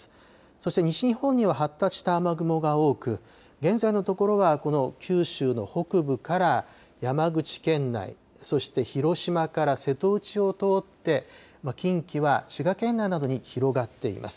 そして西日本には発達した雨雲が多く、現在のところはこの九州の北部から山口県内、そして広島から瀬戸内を通って、近畿は滋賀県内などに広がっています。